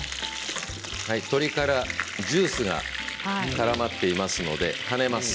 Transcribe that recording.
鶏からジュースがからまっていますので跳ねます。